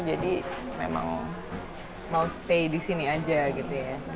jadi memang mau stay di sini aja gitu ya